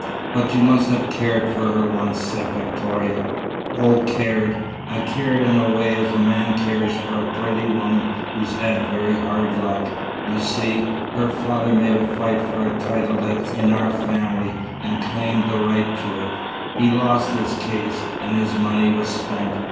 "But you must have cared for her once," said Victoria. "Oh, cared! I cared in a way, as a man cares for a pretty woman who's had very hard luck. You see her father made a fight for a title that's in our family, and claimed the right to it. He lost his case, and his money was spent.